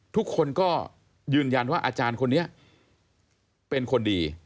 ทุกคนก็ยืนยันว่าอาจารย์คนนี้เป็นคนดี